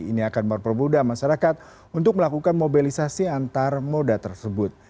ini akan mempermudah masyarakat untuk melakukan mobilisasi antar moda tersebut